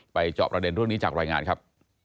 จอบประเด็นเรื่องนี้จากรายงานครับ